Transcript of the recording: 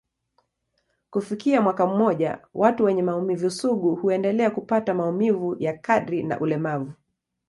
Kufikia mwaka mmoja, watu wenye maumivu sugu huendelea kupata maumivu ya kadri na ulemavu.